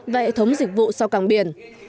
và hệ thống dịch vụ sau càng biển